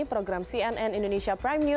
program cnn indonesia update